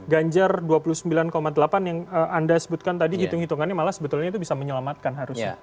ganjar dua puluh sembilan delapan yang anda sebutkan tadi hitung hitungannya malah sebetulnya itu bisa menyelamatkan harusnya